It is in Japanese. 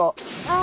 あ。